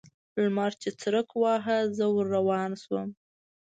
لمر چې څرک واهه؛ زه ور روان شوم.